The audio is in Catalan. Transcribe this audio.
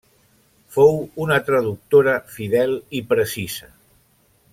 Fou una traductora fidel i precisa.